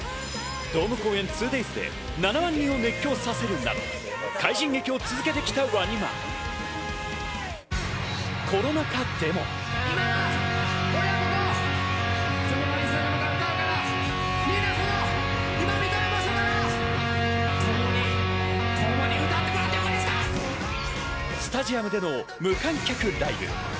ドーム公演２Ｄａｙｓで７万人を熱狂させるなど快進撃を続けてきスタジアムでの無観客ライブ。